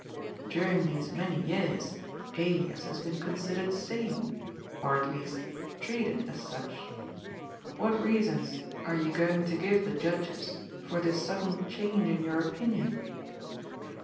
During these many years Elias has been considered sane, or at least treated as such. What reasons are you going to give the Judges for this sudden change in your opinion